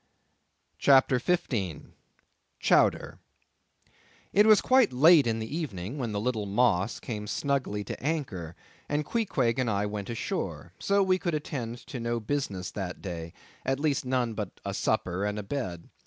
CHAPTER 15. Chowder. It was quite late in the evening when the little Moss came snugly to anchor, and Queequeg and I went ashore; so we could attend to no business that day, at least none but a supper and a bed.